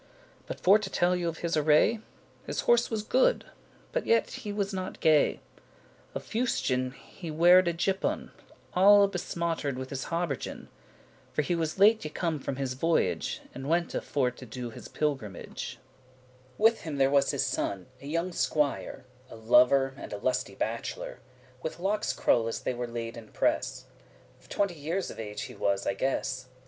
But for to telle you of his array, His horse was good, but yet he was not gay. Of fustian he weared a gipon*, *short doublet Alle *besmotter'd with his habergeon,* *soiled by his coat of mail.* For he was late y come from his voyage, And wente for to do his pilgrimage. With him there was his son, a younge SQUIRE, A lover, and a lusty bacheler, With lockes crulle* as they were laid in press. *curled Of twenty year of age he was I guess.